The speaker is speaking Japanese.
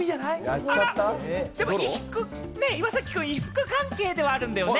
あら、でも、衣服関係ではあるんだよね？